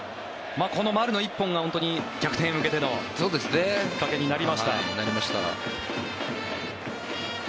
この丸の１本が逆転へ向けてのきっかけになりました。